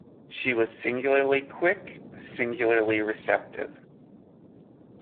She was singularly quick, singularly receptive.